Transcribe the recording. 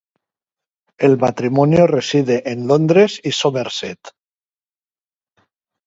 El matrimonio reside en Londres y Somerset.